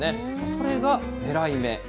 それが狙い目。